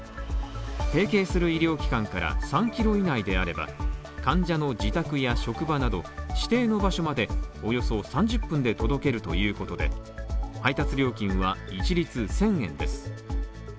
提携する医療機関から３ｋｍ以内であれば患者の自宅や職場など指定の場所までおよそ３０分で届けるということで配達料金は、一律１０００円です。